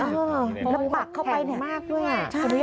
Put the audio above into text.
โอ้โหยาวมากอ่าแล้วปักเข้าไปเนี่ยแข็งมากด้วยใช่